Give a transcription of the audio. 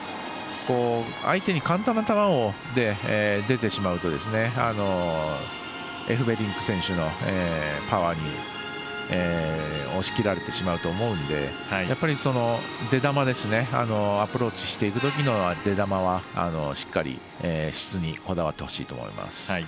相手に簡単な球で出てしまうとエフベリンク選手のパワーに押し切られてしまうと思うのでアプローチしていくときの出球はしっかり質にこだわってほしいと思います。